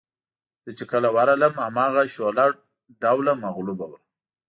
زه چې کله ورغلم هماغه شوله ډوله مغلوبه وه.